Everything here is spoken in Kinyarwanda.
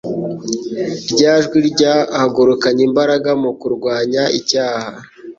Rya jwi ryahagurukanye imbaraga mu kurwanya icyaha